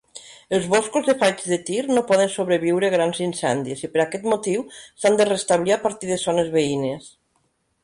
Els boscos de faigs de tir no poden sobreviure grans incendis, i per aquest motiu s'han de restablir a partir de zones veïnes.